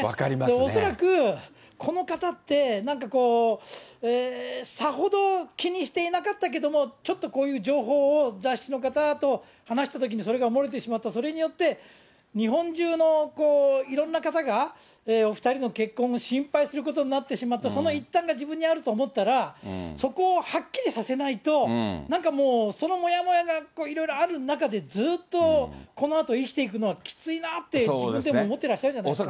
恐らく、この方って、さほど気にしていなかったけども、ちょっとこういう情報を雑誌の方と話したときに、それが漏れてしまって、それによって日本中のいろんな方がお２人の結婚を心配することになってしまった、その一端が自分にあると思ったら、そこをはっきりさせないと、なんかもうそのもやもやがいろいろある中でずっとこのあと生きていくのはきついなって、自分でも思ってらっしゃるんじゃないです